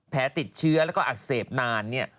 แผลติดเชื้อแล้วก็อักเสบนานเนี่ย